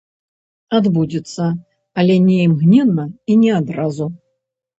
Адбудзецца, але не імгненна і не адразу.